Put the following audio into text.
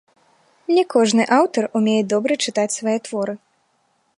Не кожны аўтар умее добра чытаць свае творы.